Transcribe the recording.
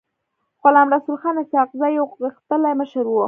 غلام رسول خان اسحق زی يو غښتلی مشر و.